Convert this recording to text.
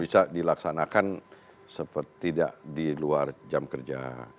bisa dilaksanakan seperti tidak di luar jam kerja